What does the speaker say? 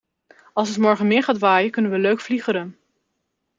Als het morgen meer gaat waaien kunnen we leuk vliegeren.